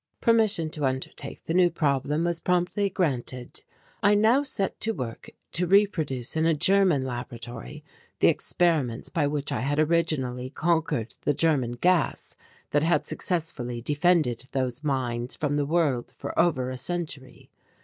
Permission to undertake the new problem was promptly granted. I now set to work to reproduce in a German laboratory the experiments by which I had originally conquered the German gas that had successfully defended those mines from the world for over a century.